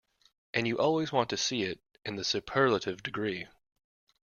And you always want to see it in the superlative degree.